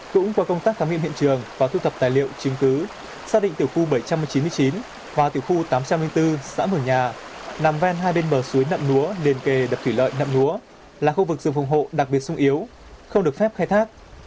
cũng qua công tác khám nghiệm hiện trường và thu thập tài liệu chứng cứ xác định tiểu khu bảy trăm chín mươi chín và tiểu khu tám trăm linh bốn xã mường nhà nằm ven hai bên bờ suối nậm lúa liền kề đập thủy lợi nậm ngúa là khu vực rừng phòng hộ đặc biệt sung yếu không được phép khai thác